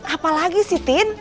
apa lagi sih tin